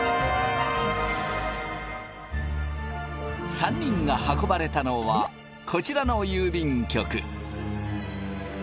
３人が運ばれたのはこちらの郵便局。